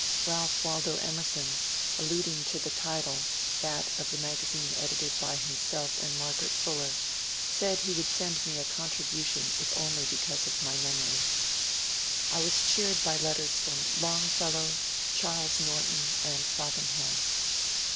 Balph Waldo Emerson, alluding to the title (that of the magazine edited by himself and Margaret Fuller), said he would send me a contribution if only because of my memory. I was cheered by letters from Longfellow, Charles Norton, and Frothingham.